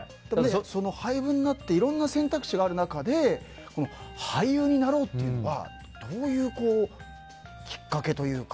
廃部になっていろんな選択肢がある中で俳優になろうというのはどういうきっかけというか。